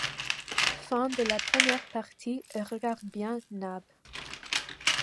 fin de la première partie « Regarde bien, Nab.